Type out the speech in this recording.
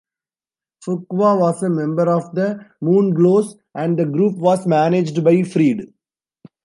Fuqua was a member of the Moonglows, and the group was managed by Freed.